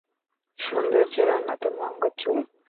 সৌন্দর্যের অন্যতম অঙ্গ চুল।